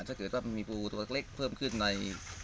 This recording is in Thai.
ถ้าเกิดว่ามีปูตัวเล็กเพิ่มขึ้นใน